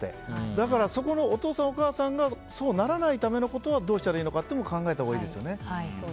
だから、お父さんやお母さんがそうならないためのことはどうしたらいいかっていうのも考えたほうがいいですよね。